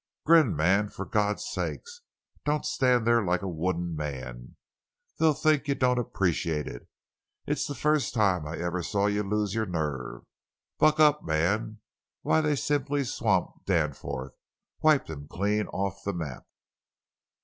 "Grin, man, for God's sake! Don't stand there like a wooden man; they'll think you don't appreciate it! It's the first time I ever saw you lose your nerve. Buck up, man; why, they simply swamped Danforth; wiped him clean off the map!"